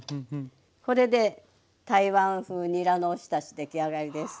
これで台湾風にらのおひたし出来上がりです。